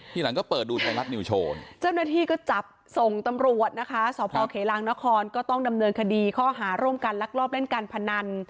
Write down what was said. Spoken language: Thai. ทีหลังก็เปิดดูไทยรัฐนิวโชว์เจ้าหน้าที่ก็จับส่งตำรวจนะคะสพเขลางนครก็ต้องดำเนินคดีข้อหาร่วมกันลักลอบเล่นการพนัน